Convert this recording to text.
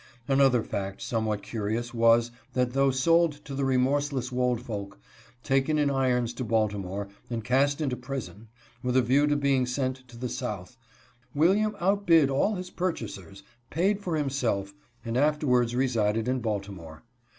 Another fact somewhat curious was, that though sold to the remorseless Woldfolk, taken in irons to Baltimore, and cast into prison, with a view to being sent to the South, William outbid all his purchasers, paid for himself, and afterwards resided in Baltimore.